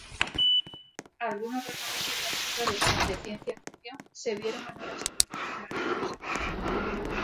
Algunos reconocidos escritores de ciencia ficción se vieron en una situación embarazosa.